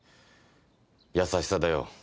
優しさだよ